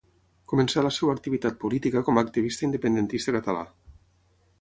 Començà la seva activitat política com a activista independentista català.